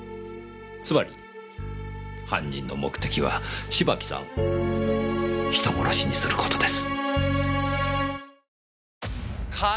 つまり犯人の目的は芝木さんを人殺しにする事です。